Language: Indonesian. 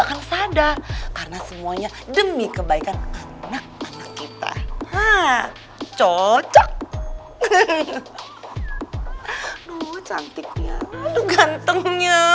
akan sadar karena semuanya demi kebaikan anak anak kita cocok aduh cantiknya aduh gantengnya